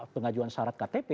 pengajuan syarat ktp